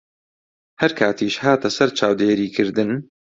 هەر کاتیش هاتە سەر چاودێریکردن